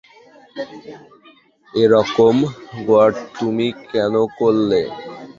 এরকম গোয়ার্তুমি কেন করলে?